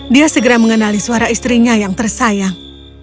dia segera mengenali suara istrinya yang tersayang